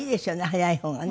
早い方がね。